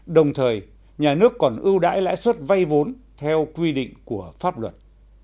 đồng thời nhà nước còn ưu đãi lãi suất vay vốn theo quy định của pháp luật